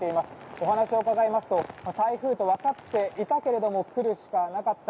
お話を伺いますと台風と分かっていたけれど来るしかなかった。